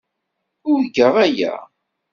Urgaɣ aya.